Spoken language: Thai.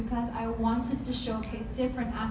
คุณสามารถทำได้ไหม